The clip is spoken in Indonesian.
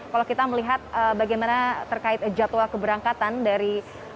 kalau kita melihat bagaimana terkait jadwal keberangkatan dari